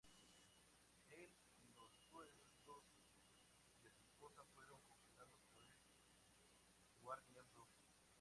Él y los sueldos de su esposa fueron congelados por el Guardias rojos.